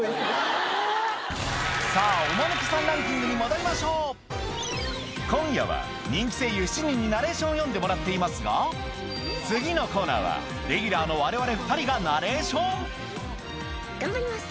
さぁおマヌケさんランキングに戻りましょう今夜は人気声優７人にナレーションを読んでもらっていますが次のコーナーはレギュラーのわれわれ２人がナレーション頑張ります！